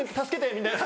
みたいな。